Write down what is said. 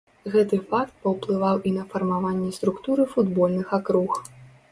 Гэты факт паўплываў і на фармаванне структуры футбольных акруг.